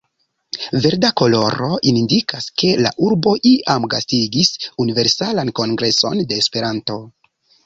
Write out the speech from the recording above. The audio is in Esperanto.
Verda koloro indikas, ke la urbo iam gastigis Universalan Kongreson de Esperanto.